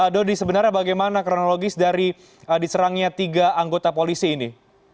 dodi sebenarnya bagaimana kronologis dari diserangnya tiga anggota polisi ini